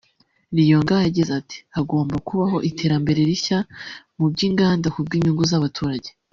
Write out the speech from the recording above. Li Yong yagize ati “hagomba kubaho iterambere rishya mu by’inganda ku bw’inyungu z’abaturage